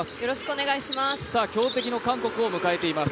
強敵の韓国を迎えています。